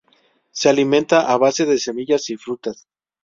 Se alimenta a base de semillas y frutas.